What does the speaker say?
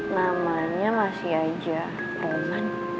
namanya masih aja roman